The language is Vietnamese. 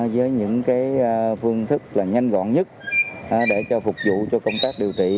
với những phương thức nhanh gọn nhất để phục vụ cho công tác điều trị